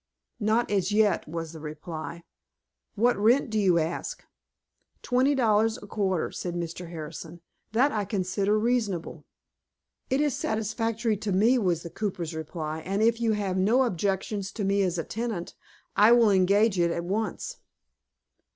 "Not as yet," was the reply. "What rent do you ask?" "Twenty dollars a quarter," said Mr. Harrison; "that I consider reasonable." "It is satisfactory to me," was the cooper's reply, "and, if you have no objections to me as a tenant, I will engage it at once."